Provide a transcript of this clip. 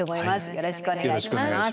よろしくお願いします。